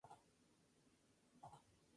En la actualidad tiene cinco nietos.